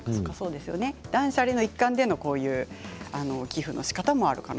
断捨離の一環の寄付のしかたもありますね。